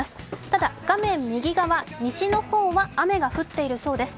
ただ、画面右側、西の方は雨が降っているそうです。